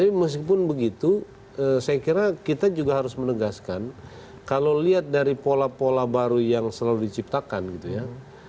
tapi meskipun begitu saya kira kita juga harus menegaskan kalau lihat dari pola pola baru yang selalu diciptakan gitu ya